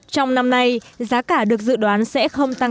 trong năm nay giá cả được dự đoán sẽ không tăng